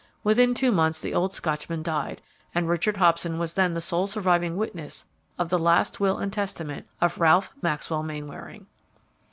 Within two months the old Scotchman died, and Richard Hobson was then the sole surviving witness of the last will and testament of Ralph Maxwell Mainwaring.